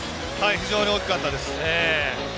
非常に大きかったです。